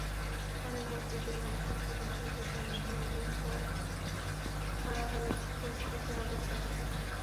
পরে মসজিদের মাইকে ভোটারদের কেন্দ্রে আসার অনুরোধে করা হলে পরিস্থিতি স্বাভাবিক হয়।